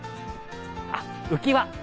あっ、浮き輪！